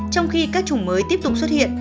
trong khi các chủng mới tiếp tục xuất hiện